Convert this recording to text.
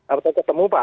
apa itu temu pak